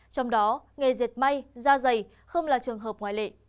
trong đó nghề diệt may da dày không là trường hợp ngoại lệ